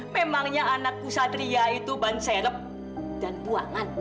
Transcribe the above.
memangnya anakku satria itu ban serep dan buangan